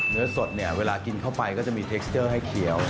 เนื้อสดเนี่ยเวลากินเข้าไปก็จะมีเทคสเจอร์ให้เขียว